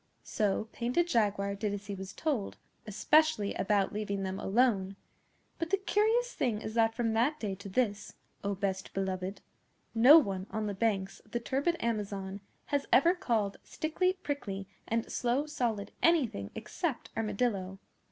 So Painted Jaguar did as he was told, especially about leaving them alone; but the curious thing is that from that day to this, O Best Beloved, no one on the banks of the turbid Amazon has ever called Stickly Prickly and Slow Solid anything except Armadillo.